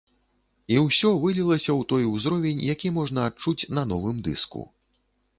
І ўсё вылілася ў той узровень, які можна адчуць на новым дыску.